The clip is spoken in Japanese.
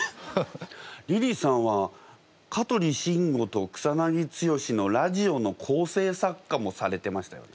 リリーさんは香取慎吾と草剛のラジオの構成作家もされてましたよね？